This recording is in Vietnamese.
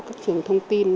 các trường thông tin